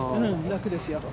楽ですよ。